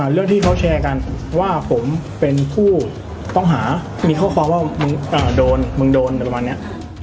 เรื่องที่เขาแชร์กันว่าผมเป็นผู้ต้องหามีข้อความว่ามึงโดนมึงโดนอะไรประมาณนี้